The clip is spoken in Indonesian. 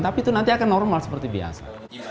tapi itu nanti akan normal seperti biasa